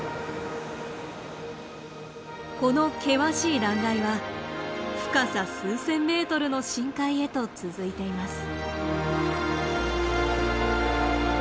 この険しい断崖は深さ数千メートルの深海へと続いています。